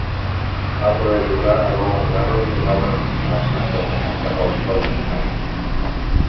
Va poder jugar a Roland Garros i va avançar fermament cap als quarts de final.